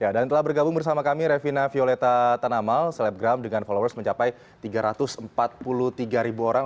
dan telah bergabung bersama kami revina violeta tanamal celebgram dengan followers mencapai tiga ratus empat puluh tiga ribu orang